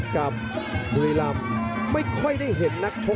กับริลำไม่ค่อยได้เห็นนัดชบ